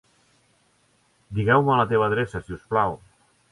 Digueu-me la teva adreça, si us plau.